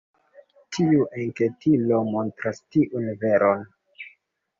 Tiu enketilo montras tiun veron.